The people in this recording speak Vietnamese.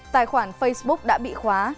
tài khoản facebook đã bị khóa